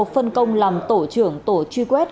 phân công làm tổ trưởng tổ truy quét